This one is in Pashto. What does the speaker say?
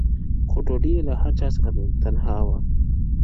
خو ډوډۍ یې له هر چا څخه تنها وه-